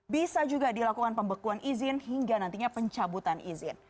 bisa juga dilakukan pembekuan izin hingga nantinya pencabutan izin